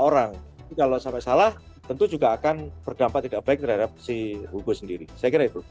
orang kalau sampai salah tentu juga akan berdampak tidak baik terhadap si hugo sendiri saya kira itu